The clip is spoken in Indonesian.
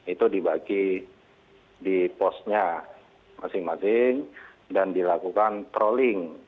itu dibagi di posnya masing masing dan dilakukan trolling